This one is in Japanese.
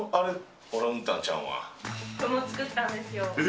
これも作ったんですよ。